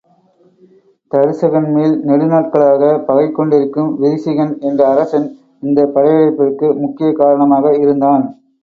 தருசகன்மேல் நெடுநாட்களாகப் பகை கொண்டிருக்கும் விரிசிகன் என்ற அரசன் இந்தப் படையெடுப்பிற்கு முக்கியக் காரணமாக இருந்தான்.